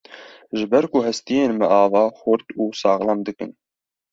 Ji ber ku hestiyên me ava, xurt û saxlem dikin.